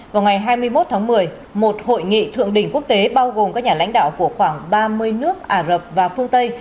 vào ngày hai mươi một tháng một mươi một hội nghị thượng đỉnh quốc tế bao gồm các nhà lãnh đạo của khoảng ba mươi nước ả rập và phương tây